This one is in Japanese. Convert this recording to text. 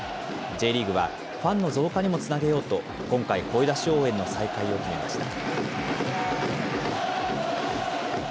Ｊリーグはファンの増加にもつなげようと、今回、声出し応援の再開を決めました。